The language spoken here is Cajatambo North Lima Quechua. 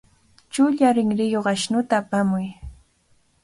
Chulla rinriyuq ashnuta apamuy.